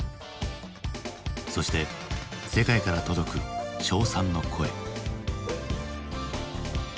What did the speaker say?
そして世界から届く称賛の声。